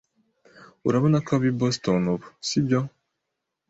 Urabona ko aba i Boston ubu, sibyo?